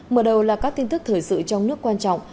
mở đầu là các tin tức thời sự trong nước quan trọng